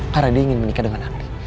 karena dia ingin menikah dengan andi